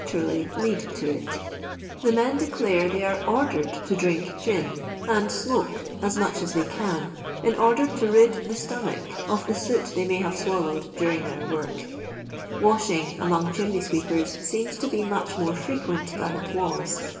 ura'ily lead to it. Tt:^ I LONDON LABOUR AND TBM LONDON POOR, 865 men declare they are ordered to drink gin and smoke as much ae they can, in order to rid the stomach of the soot they may hare swallowed dui^ ing their work. Wcahing among chimney sweepers seems to be much more frequent than it was.